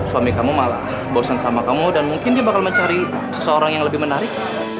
suami kamu malah bosan sama kamu dan mungkin dia bakal mencari seseorang yang lebih menarik